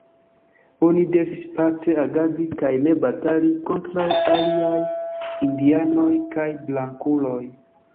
Oni devis pace agadi kaj ne batali kontraŭ aliaj indianoj kaj blankuloj.